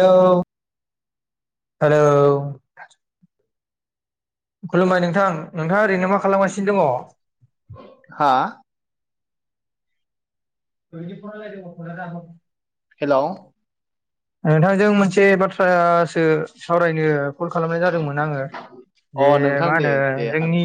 Hello hello खुलुमबाय नोंथां नोंथाङा ओरैनो मा खालामगासिनो दङ? हा [unintelligible] हेलौ नोंथांजों मोनसे बाथ्रासो सावरायनो कल खालामनाय जादोंमोन आङो जे अ नोंथां मा दे होनो दे जोंनि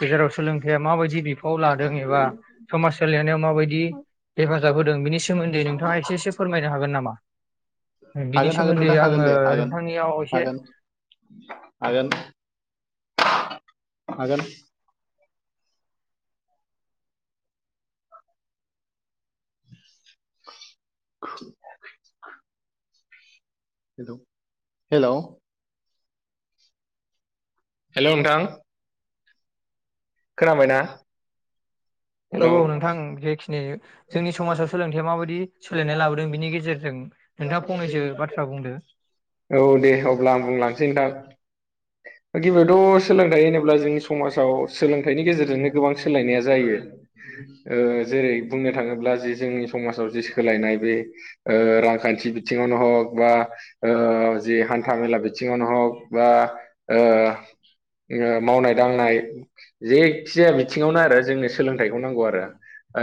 गेजेराव सोलों जया माबायदि बिफाव लादों एबा समाज सोलिनायाव माबायदि हेफाजाब होदों बिनि सोमोन्दै नोंथाङा एसे एसे फोरमायनो हागोन नामा बिनि हागोन हागोन सोमोन्दै नोंथां आङो हागोन दे हागोन नोंथांनियाव एसे हागोन हागोन हागोन [inaudible] हेलौ हेलौ हेलौ नोथां खोनाबायना? औ औ नोंथां जेखिनि जोंनि समाजाव सोलोंथाइया माबायदि सोलायनाय लाबोदों बिनि गेजेरजों नोंथाङा फंनैसो बाथ्रा बुंदो औ दे होमब्ला आं बुंलांसै ना गिबियावथ' सोलोंथाइ होनोब्ला जोंनि समाजाव सोलों खथाइनि गेजेरजोंनो गोबां सोलायनाया जायो जेरै बुंनो थाङोब्ला जे जोंनि समाजाव सोलायनाय बे ओ रां खान्थि बिथिङावनो हग बा ओ जि हान्था मेला बिथिङावनो हग बा ओ ओ ओ मावनाय दांनाय जेखिजाया बिथिङावनो आरो जोंनो सोलोंथाइखौ नांगौ आरो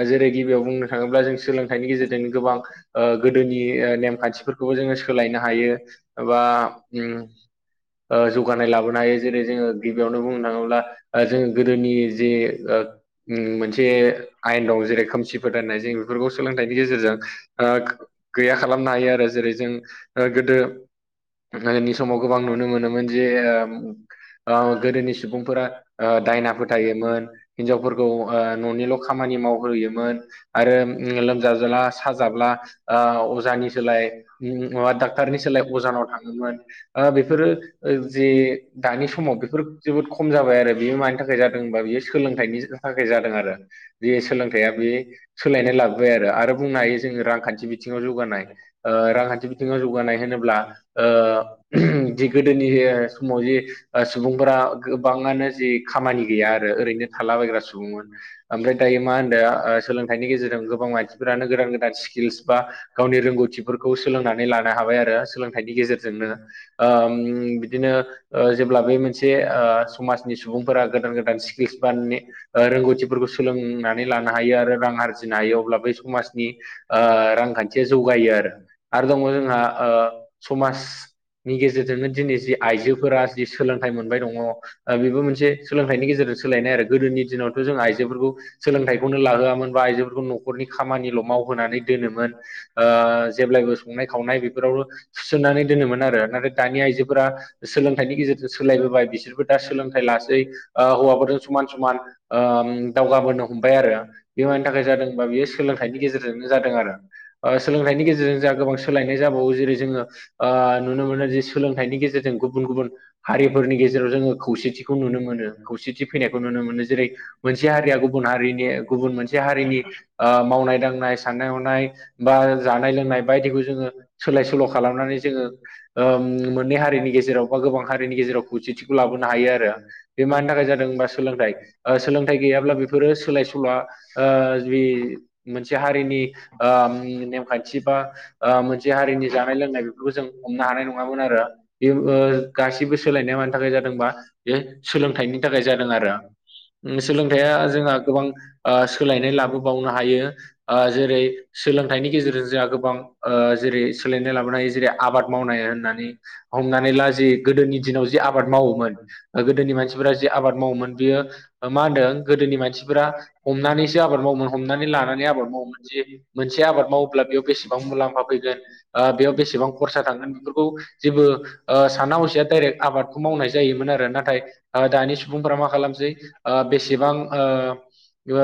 जेरै गिबियाव बुंनो थाङोब्ला जों सोलोंथाइनि गेजेरजों गोबां ओ गोदोनि ओ नेमखान्थिफोरखौबो जोङो सोलायनो हायो एबा उम ओ जौगानाय लाबोनो हायो जेरै जोङो गिबियावनो बुंनो थाङोब्ला जोङो गोदोनि जे ओ उम मोनसे आयेन दं जेरै खोमसिफोथायनाय जों बेफोरखौ सोलोंथाइनि गेजेरजों ओ गैया खालामनो हायो आरो जेरै जों गोदो दोनि समाव गोबां नुनो मोनोमोन जे गोदोनि सुबुंफोरा ओ दायना फोथायोमोन हिनजावफोरखौ ओ न'निल' खामानि मावहोयोमोन आरो उम लोमजा ब्ला साजाब्ला अजानि सोलाय डाक्टारनि सोलाय अजानाव थाङोमोन ओ बेफोरो ओ जि दानि समाव बेफोर जोबोद खम जाबाय आरो बे मानि थाखाय जादों होमबा बेयो सोलोंथाइनि थाखाय जादों आरो बे सोलोंथाइया बे सोलायनाय लाबो बाय आरो, आरो बुंनो हायो जोङो रांखान्थि बिथिङाव जौगानाय ओह रांखान्थि बिथिङाव जौगानाय होनोब्ला ओ उम दि गोदोनि समाव जि सुबुंफोरा गोबाङानो जि खामानि गैया आरो ओरैनो थालाबायग्रा सुबुंमोन ओमफ्राय दायो मा होनदो ओ सोलोंथाइनि गेजेरजों गोबां मानसिफ्रानो गोदान गोदान स्किल्स बा गावनि रोंगौथिफोरखौ सोलोंनानै लानो हाबाय आरो सोलोंथाइनि गेजेरजोंनो ओम बिदिनो ओ जेब्ला बे मोनसे ओ समाजनि सुबुं फोरा गोदान गोदान स्किल्स बा ने ओ रोंगौथिफोरखौ सोलोंनानै लानो हायो आरो रां आरजिनो हायो अ अब्ला बै समाजनि ओ रांखान्थिया जौगायो आरो आरो दङ जोंहा ओ समाज नि गेजेरजोंनो दिनै जि आइजोफोरा जि सोलोंथाइ मोनबाय दङ ओ बेबो मोन से सोलोंथाइनि गेजेरजों सोलायनाय आरो गोदोनि दिनावथ' जों आइजोफोरखौ सोलोंथाइखौनो लाहोआमोन बा आइजोफोरखौ न' न'खरनि खामानिल' मावहोनानै दोनोमोन। ओह जेब्लायबो संनाय खावनाय बेफोराव सुसोननानै दोनोमोन आरो नाथाय दानि आइजोफोरा सोलोंथाइनि गेजेरजों सोलायबोबाय बिसोरबो दा सोलोंथाइ लासै ओ हौवाफोरजों समान समान ओम दावगाबोनो हमबाय आरो बे मानि थाखाय जादों होमबा बेयो सोलोंथाइनि गेजेरजोंनो जादों आरो। ओ सोलोंथाइनि गेजेरजों जोंहा गोबां सोलायनाय जाबावो जेरै जोङो ओ नुनो मोनो जे सोलोंथाइनि गे जेरजों गुबुन गुबुन हारिफोरनि गेजेराव जोङो खौसेथिखौ नुनो मोनो खौसेथि फैनायखौ नुनो मोनो जेरै मोनसे हारिया गुबुन हारिनि गुबुन मोनसे हारिनि ओ मावनाय दांनाय साननाय ह'नाय बा जानाय लोंनाय बायदिखौ जोङो सोलाय सोल' खालामनानै जोङो ओ मोननै हारि हारिनि गेजेराव बा गोबां हारिनि गेजेराव खौसेथिखौ लाबोनो हायो आरो। बे मानि थाखाय जादों होनबा सोलोंथाइ ओ सोलोंथाइ गैयाब्ला बेफोरो सोलाय सोल'आ ओ जि मोनसे हारिनि ओ नेमखान्थि बा ओ मोनसे हारिनि जानाय लोंनाय बेफोरखौ जों हमनो हानाय नङामोन आरो। बे ओ गासिबो सोलायनाया मानि थाखाय जादों होनबा बे सोलों थाइनि थाखाय जादों आरो। सोलोंथाइया जोंहा गोबां ओ सोलायनाय लाबोबावनो हायो ओ जेरै सोलोंथाइनि गेजेरजों जोंहा गोबां ओ जेरै सोलायनाय लाबोनाय जेरै आबाद मावनाय होननानै हमनानै लाजि गोदोनि दिनाव जे आबाद मावोमोन गोदोनि मानसि फोरा जे आबाद मावोमोन बेयो ओ मा होनदों गोदोनि मानसिफोरा हमनानैसो आबाद मावोमोन हमनानै ला नानै आबाद मावोमोन जे मोनसे आबाद मावोब्ला बेयाव बेसेबां मुलाम्फा फैगोन ओ बेयाव बेसेबां खरसा थांगोन बेफोरखौ जेबो ओ साना हसिया डाइरेक्ट आबादखौ मावनाय जायोमोन आरो नाथाय दानि सुबुंफोरा मा खालामसै ओ बेसेबां ओ ओ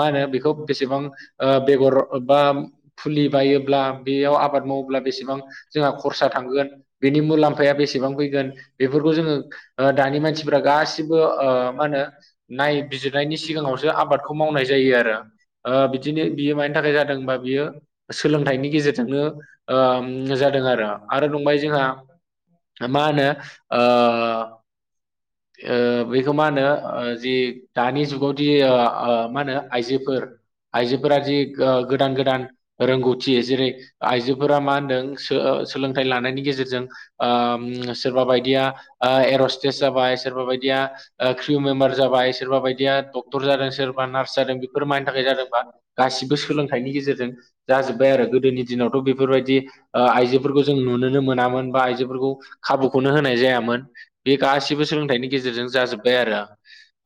मा होनो बेखौ बेसेबां ओ बेगर बा फुलि बायोब्ला बेयाव आबाद मावोब्ला बेसेबां जोंहा खरसा थांगोन। बेनि मुलाम्फाया बेसेबां फैगोन बेफोरखौ जोङो ओ दानि मानसि फोरा गासिबो ओ मा होनो नायबिजिरनायनि सिगाङावसो आबादखौ मावनाय जायो आरो। ओ बिदिनो बियो मानि थाखाय जादों होनबा बियो सोलोंथाइनि गेजेरजोंनो ओम जादों आरो, आरो न' [inaudible] मा होनो ओह ओ बैखौ मा होनो ओ जि दानि जुगावदि ओ आ मा होनो आइजोफोर आइजोफोरा जि गो-गोदान गोदान रोंगौथि, जेरै आइजोफोरा मा होनदों सो सोलोंथाइ लानायनि गेजेरजों ओम सोरबा बायदिया ओ एर'हस्टेस सोरबा बायदिया ओ क्रिउ मेम्बार जाबाय, सोरबा बायदिया डक्टर जादों, सोरबा नार्स जादों, बेफोर मानि थाखाय जादों होनबा, गासिबो सोलोंथाइनि गेजेरजों जाजोब्बाय आरो गोदोनि दिनावथ' बेफोरबायदि ओ आइ जोफोरखौ जों नुनोनो मोनामोन बा आइजोफोरखौ खाबुखौनो होनाय जायामोन। बे गासिबो सोलों थाइनि गेजेरजों जाजोब्बाय आरो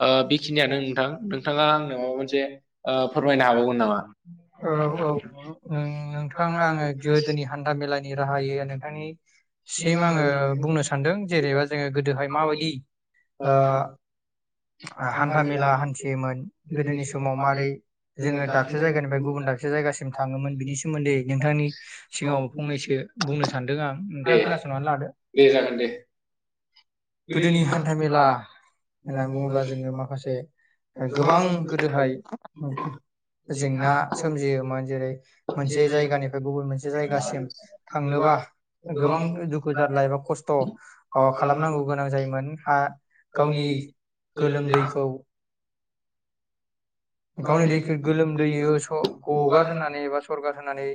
ओ बेखिनियानो नोंथां नोंथाङा आंनो माबा मोनसे ओ औ फोरमायनो हाबावगोन नामा? औ नोंथां आङो गोदोनि हान्था मेला नि राहायै नोंथांनिसिम आंङो बुंनो सानदों, जेरेबा जोङो गोदोहाय माबादि ओ आ‌ हान्थामेला हान्थियोमोन, गोदोनि समाव मारै जोङो दाबसे जायगानिफाय गुबुन दाबसे जायगासिम थांङोमोन बिनि सोमोन्दै नोंथांनि सिगाङाव फंनैसो बुंनो सानदों आं, दे नोंथांङा खोनासंनानै लादो। दे जागोन दे। गोदोनि हान्था मेला होननानै बुङोब्ला जोंङो माखासे गोबां गोदोहाय जेंना सोमजियोमोन, जेरै मोनसे जायगानिफाय गुबुन मोनसे जायगासिम थांनोबा गोबां दुखु जारला एबा खस्थ' अ खालामनांगौ गोनां जायोमोन आ गावनि गोलोमदैखौ गावनि दैखो गोलोमदैयो स गगार होनोनानै एबा सरगार होनानै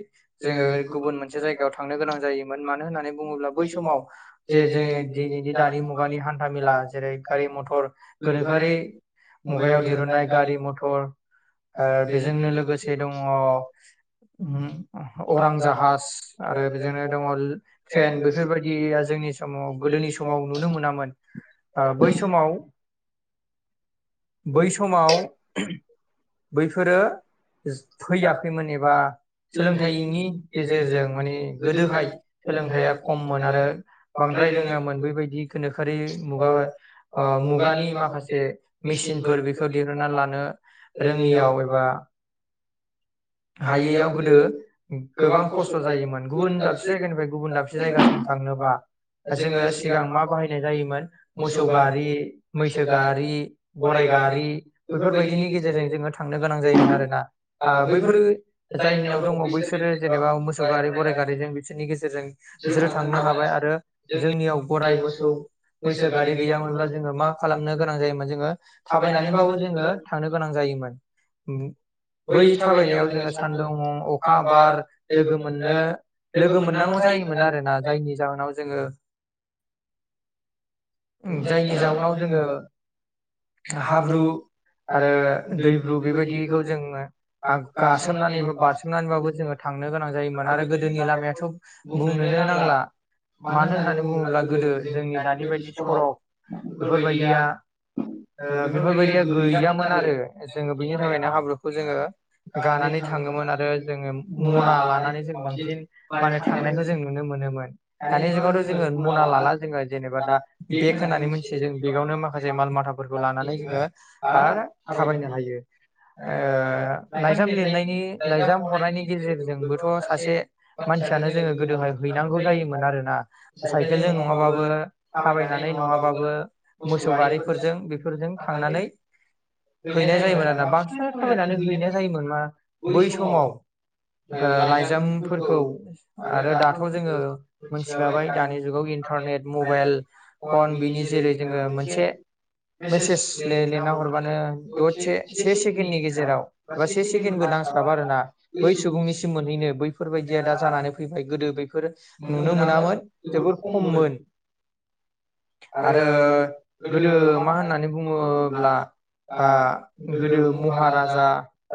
जोंङो गुबुन मोनसे जायगायाव थांनो गोनां जायोमोन। मानो होननानै बुङोब्ला बै समाव, जे जों दिनैनि दानि मुगानि हान्था मेला, जेरै गारि मथर। गोनोखोआरि मुगायाव दिरुननाय गारि मथर। ओ बेजोंनो लोगोसे दंङ अरां जाहाज आरो बिजोंनो दङ ट्रेन बेफोरबायदिया जों नि समाव गोदोनि समाव नुनो मोनामोन। ओ बै समाव बै समाव बैफोरो जो फैयाखैमोन एबा सोलोंथाइनि गेजेरजों माने गोदोहाय सोलोंथाइया खममोन आरो बां द्राय रोङामोन बैबायदि गोनोखोरि मुगा ओ मुगानि माखासे मेसिनफोर बेखौ दिरुनना लानो रोङियाव एबा हायैयाव गोदो गोबां खस्थ' जायोमोन। गुबुन दाबसे जायगानिफाय गुबुन दाबसे जायगासि थांनोबा। जोंङो सिगां मा बाहायनाय जायोमोन, मोसौ गारि, मैसो गारि, गराइ गारि। बैफोरबायदिनि गेजेरजों जोंङो थांनो गोनां जायोमोन आरोना। आ बैफोर बो जायनिनाव दङ बैसोरो जेनेबा मोसौ गारि गराइ गारिजों बिसोरनि गेजेरजों बिसोरो थांनो हा हाबाय आरो जोंनियाव गराय मोसौ मैसो गारि गैयामोनब्ला जोङो मा खालामनो गोनां जायोमोन जोङो थाबायनानैबाबो जोङो थांनो गोनां जायोमोन। बै थाबायनाया याव जोङो सानदुं, अखा, बार लोगो मोननो लोगो मोननांगौ जायोमोन आरोना। जायनि जाहोनाव जोंङो जायनि जाउनाव जोंङो हाब्रु आरो दैब्रु बेबायदिखौ जोंङो हा गासोमनानै बा बारसोमनानैबाबो जोङो थांनो गोनां जायोमोन आरो गोदोनि लामायाथ' बुंनो नो नांला। मानो होननानै बुङोब्ला गोदो जोंनि दानि बादि सरग बेफोरबायदिया ओ बेफोरबायदिया गैयामोन आरो जोंङो बैनि थाखायनो हाब्रुखौ जोंङो गानानै थांङोमोन आरो जोंङो मना लानानै जों बांसिन माने थांनायखौ जों नुनो मोनोमोन। दानि जुगावथ' जोंङो मना लाला जोङो जेनेबा दा बेग होननानै मिथियो, जों बेगावनो माखासे माल मा थावफोरखौ लानानै जोङो आरो थाबायनो हायो। ओ लाइजाम लिरनायनि लाइजाम हरनायनि गेजेरजोंबोथ' सासे मान मानसियानो जोङो गोदोहाय हैैनांगौ जायोमोन आरोना साइकेल नङाबाबो थाबायनानै नङाबाबो मोसौ गारिफोरजों बेफोरजों थांनानै हैनाय जायोमोन आरोना। बांसिनानो थाबायनानै हैनाय जायोमोन मा बै समाव लाइजामफोरखौ आरो दाथ' जोङो मोनथिखाबाय दानि जुगाव इन्टारनेट मबाइल फन बिनि जेरै जोङो मोनसे मेसेज ले-लेरना हरबानो दसे से सेकेण्डनि गेजेराव बा से सेकेण्डबो नांस्लाबा आरोना बै सुबुंनिसिम मोनहैयो। बैफोरबायदिया दा जानानै फैबाय गोदो बैफोरो। नुनो मोनामोन जोबोर खममोन। आरो गोदो मा होननानै बुङोब्ला ओ आ गोदो महाराजा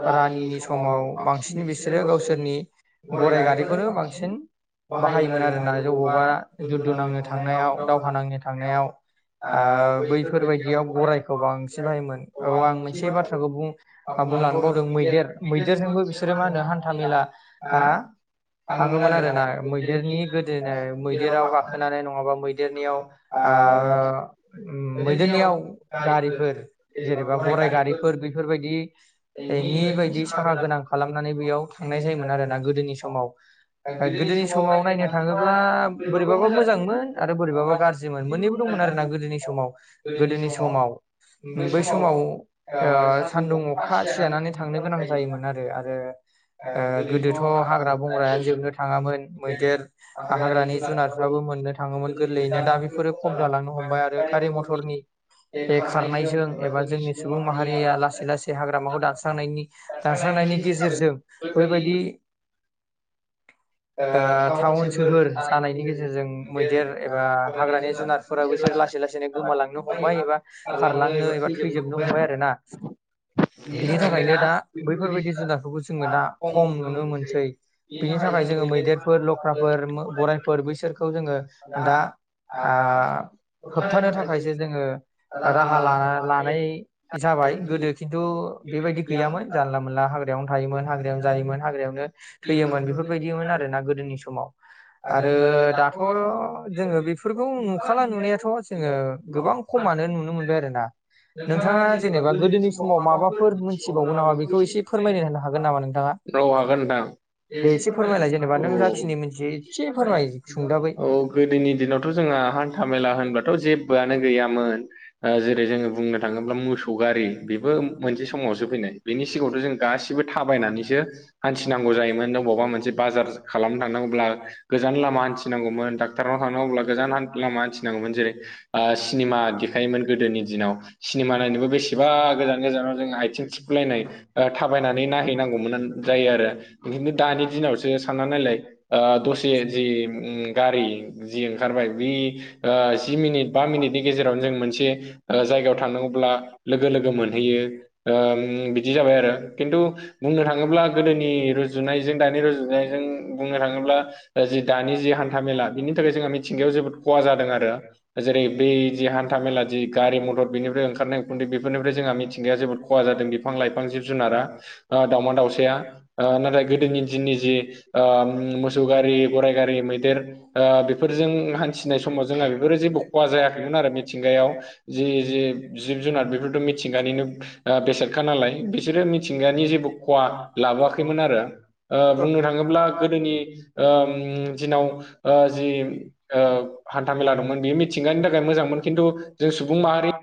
रानिनि समाव बांसिन बिसोरो गावसोरनि गराय गारिखौनो बांसिन बाहायोमोन आरोना। बबावबा जुद्ध गोदोनांनो नांनो थांनायाव हो दावहा नांनो थांनायाव [unintelligible] ओ बैफोरबायदियाव गरायखौ बैफोरबायदियाव बांसिन बाहायोमोन गराय औ आं मोनसे [unintelligible] बाथ्राखौ बुं आ, [inaudible] बुंलांनो बावदों मैदेर मैदेरजोंबो मैदेरजोंबो बिसोरो मा हान्था मेला होनो आ हो? थाङोमोन आरोना मैदेरनि गोदोना मैदेराव गाखोनानै नङाबा मैदेर नियाव ओ मैदेरनियाव गारिफोर जेनेबा गराइ गारिफोर बेफोरबायदि नि बायदि साखा गोनां खालामनानै बेयाव थांनाय जायोमोन आरोना गोदोनि समाव। गोदोनि समाव नायनो थाङोब्ला बोरैबाबो मोजांमोन आरो बोरैबाबो गाज्रिमोन। मोननैबो दंमोन आरोना गोदोनि समाव। गोदोनि समाव बै समाव ओ सान्दुं अखा सिजानानै थांनो गोनां जायोमोन आरो। आरो ओ गोदोथ' हाग्रा बंग्रायानो जोबनो थाङामोन। मैदेर हाग्रानि जुनारफ्राबो मोननो थाङोमोन गोरलैयैनो। दा बेफोरो खम जालांनो हमबाय आरो गारि मटरनि बे खारनायजों एबा जोंनि सुबुं माहारिया लासै लासैनो हाग्रामाखौ दानस्रांनायनि दानस्रांनायनि गेजेरजों बैबायदि [inaudible] ओ टावोन सोहोर जानायनि गेजेरजों मैदेर एबा हाग्रानि जुनारफोराबो बैसोर ला सै लासैनो गोमालांनो हमबाय एबा खारलांनो एबा थैजोबनो हमबाय आरोना‌ बिनि थाखायनो दा बैफोरबायदि जुनारफोरखौ जोङो दा खम नुनो मोनसै। बिनि थाखाय जोङो जों मैदेरफोर, लख्राफोर, गराइफोर बैसोरखौ जोङो दा आ होबथानो थाखायसो जोङो राहा लामा लानाय जाबाय गोदो खिन्थु। बेबायदि गैयामोन जानला मोनला हाग्रायावनो थायोमोन हाग्रायावनो जायोमोन हाग्रायावनो थैयोमोन बेफोरबायदिमोन आरोना गोदोनि समाव। आरो दाथ' जोङो बेफोरखौ नुखाला नुनायाथ' जोङो गोबां खमानो नुनो मोनबाय आ नोंथाङा जेनेबा गोदोनि समाव माबाफोर मोन्थिबावो मोनथिबावगौ नामा बेखौ एसे फोरमायनो फोरमायना होनो हागोन नामा नोंथाङा होनो हागोन नामा? औ दे एसे हागोन फोरमायलाय जेनेबा नोंथां औ नों जाखिनि मिथियो एसे फोरमाय सुंदाबै औ औ औ। औ गोदोनि दिनावथ' जोंहा हान्था मेला होनबाथ' जेबोआनो गैयामोन। जेरै जोङो बुंनो थाङोब्ला मोसौ गारि बेबो मोनसे समावसो फैनाय। बेनि सिगाङावथ' जों गासिबो थाबायनानैसो हान्थिनांगौ जायोमोन बबावबा मोनसे बाजार खालामनो थांनांगौब्ला गोजान लामा हान्थिनांगौमोन डाक्टार नाव थांनांगौब्ला गोजान लामा हान्थिनांगौमोन। जेरै ओ सिनिमा देखायोमोन गोदोनि दिनाव सिनेमा नायनोबो बेसेबा गोजान गोजानाव जों आथिं थिफुलायनाय ओ थाबायनानै नायहैनांगौमोन जायो आरो। बिदिनो दानि दिनावसो सानना नायलाय दसे जि उम गारि जि ओंखारबाय बै ओ जि मिनिट बा मिनिटनि गेजेरावनो जों मोनसे जायगा थांनांगौब्ला लोगो लोगो मोनहैयो। ओ ओम बिदि जाबाय आरो। किन्थु बुंनो थाङोब्ला गोदोनि रुजुनायजों दानि रुजुनायजों बुंनो थाङोब्ला जि दानि जि हान्था मेला बिनि थाखाय जोंहा मिथिंगायाव जोबोद खहा जादों आरो जेरै बै जि हान्था मेला जि गारि मथर बेनिफ्राय ओंखारनाय उखुन्दै बेफोरनिफ्राय जोंहा मिथिंगाया जोबोद खहा जादों बिफां लाइफां जिब जुनारा ओ दावमा दाउ साया ओ नाथाय गोदोनि दिननि ओ ओम जि मोसौ गारि गराइ गारि ओ मैदेर ओ बेफोरजों हान्थिनाय समाव जोंहा बेफोरो जेबो खहा जायाखैमोन आरो मिथिंगायाव जि जि जिब जुनार बेफोरथ मिथिंगानिनो बेसादखा नालाय बिसोरो मिथिंगानि जेबो ख खहा लाबोआखैमोन आरो ओ बुंनो थाङोब्ला गोदोनि ओ ओम दिनाव ओ जि ओ हान्था मेला दंमोन बेयो मिथिंगानि थाखाय मोजांमोन खिन्थु जों सु [unintelligible]